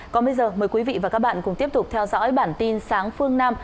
còn bây giờ mời quý vị và các bạn cùng tiếp tục theo dõi bản tin sáng phương nam